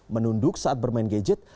menunduk saat bermain gadget